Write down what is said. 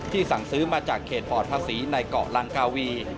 สั่งซื้อมาจากเขตปอดภาษีในเกาะลังกาวี